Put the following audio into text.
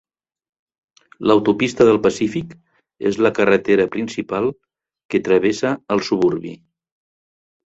L'autopista del pacífic és la carretera principal que travessa el suburbi.